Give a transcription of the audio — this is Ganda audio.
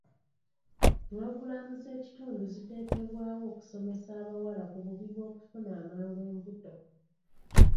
Pulogulaamu z'ekitundu ziteekebwawo okusomesa abawala ku bubi bw'okufuna amangu embuto.